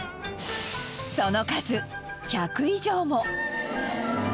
その数１００以上も！